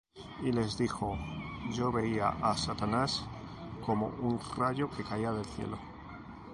Y les dijo: Yo veía á Satanás, como un rayo, que caía del cielo.